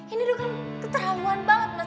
ini kan ketrauan banget mas